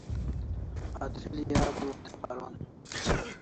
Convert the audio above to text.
Atril'i audua te paron